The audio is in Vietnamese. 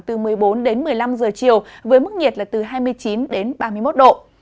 từ một mươi bốn đến một mươi năm giờ chiều với mức nhiệt là từ hai mươi chín đến ba mươi một độ